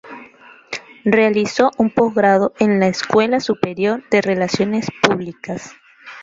Realizó un posgrado en la Escuela Superior de Relaciones Públicas.